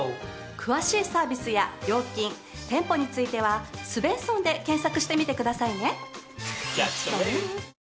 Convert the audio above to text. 詳しいサービスや料金店舗については「スヴェンソン」で検索してみてくださいね。